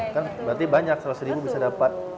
kan berarti banyak seratus ribu bisa dapat